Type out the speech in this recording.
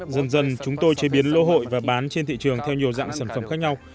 dần dần chúng tôi chế biến lô hội và bán trên thị trường theo nhiều dạng sản phẩm khác nhau